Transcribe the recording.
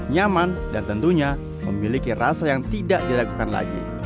nyaman dan tentunya memiliki rasa yang tidak dilakukan lagi